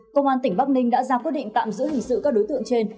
công an tỉnh bắc ninh đã ra quyết định tạm giữ hình sự các đối tượng trên